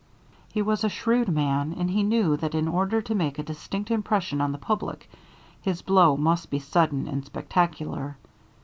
He was a shrewd man, and he knew that in order to make a distinct impression on The Public his blow must be sudden and spectacular.